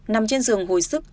nằm trên giường hồi sức